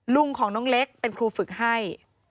ลุงของน้องเล็กเป็นครูฝึกให้